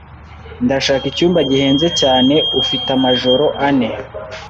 Ndashaka icyumba gihenze cyane ufite amajoro ane.